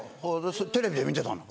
テレビで見てたの。